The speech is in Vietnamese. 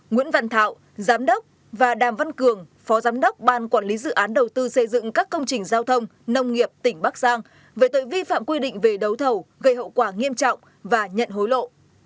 nguyễn văn thảo giám đốc và đàm văn cường phó giám đốc ban quản lý dự án đầu tư xây dựng các công trình giao thông nông nghiệp tỉnh bắc giang về tội vi phạm quy định về đấu thầu gây hậu quả nghiêm trọng và nhận hối lộ